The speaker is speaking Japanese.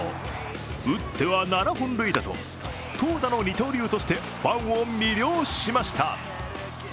打っては７本塁打と投打の二刀流としてファンを魅了しました。